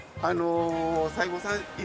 西郷さん犬